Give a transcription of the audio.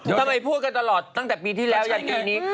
ทำไมพูดกันตลอดตั้งแต่ปีที่แล้วยันปีนี้